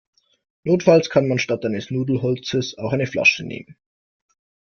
Notfalls kann man statt eines Nudelholzes auch eine Flasche nehmen.